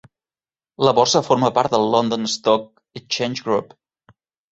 La borsa forma part del London Stock Exchange Group.